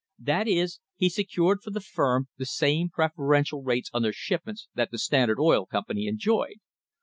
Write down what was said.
That is, he secured for the firm the same preferential rates on their shipments that the Standard Oil Company enjoyed.